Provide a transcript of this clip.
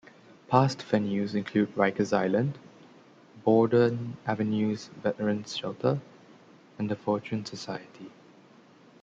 Past venues include Rikers Island, Borden Avenue's Veteran's Shelter, and The Fortune Society.